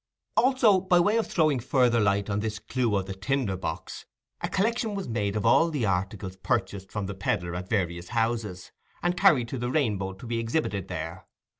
Also, by way of throwing further light on this clue of the tinder box, a collection was made of all the articles purchased from the pedlar at various houses, and carried to the Rainbow to be exhibited there.